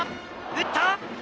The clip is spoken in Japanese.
打った！